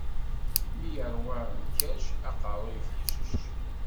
Mi iṛwa lkerc, aqeṛṛu ifeḥcec.